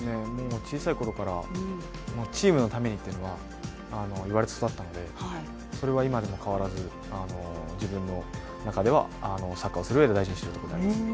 小さいころから、チームのためにっていうのは言われて育ったのでそれは今でも変わらず自分の中ではサッカーをするうえで大事にしているところにあります。